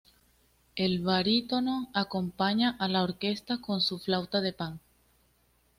El barítono acompaña a la orquesta con su flauta de Pan.